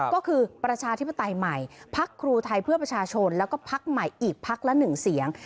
ก็คือประชาธิปไตยใหม่พักครูไทยเพื่อประชาชนแล้วก็พักใหม่อีกพักละ๑เสียง